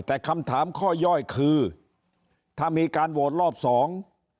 แต่คำถามข้อย่อยคือถ้ามีการโหวตรอบสอง